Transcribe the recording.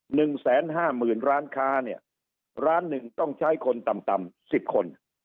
หนึ่งแสนห้าหมื่นร้านค้าเนี่ยร้านหนึ่งต้องใช้คนต่ำต่ำสิบคน